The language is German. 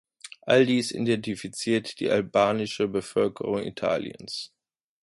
All dies identifiziert die albanische Bevölkerung Italiens.